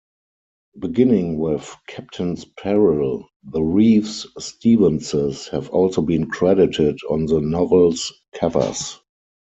Beginning with "Captain's Peril", the Reeves-Stevenses have also been credited on the novels' covers.